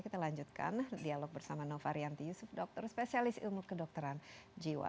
kita lanjutkan dialog bersama nova rianti yusuf dokter spesialis ilmu kedokteran jiwa